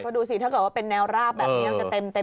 มาดูสิถ้าเกิดว่าเป็นแนวราบแบบนี้